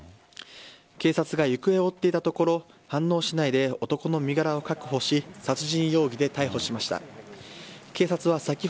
警察が行方を追っていたところ飯能市内で男の身柄を確保し殺人容疑で逮捕しました。